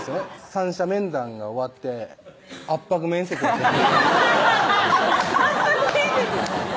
三者面談が終わって圧迫面接が圧迫面接！